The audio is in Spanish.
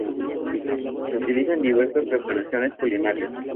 Se utiliza en diversas preparaciones culinarias.